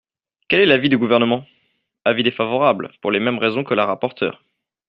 Quel est l’avis du Gouvernement ? Avis défavorable, pour les mêmes raisons que la rapporteure.